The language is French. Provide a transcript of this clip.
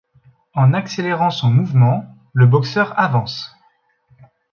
En accélérant son mouvement, le boxeur avance.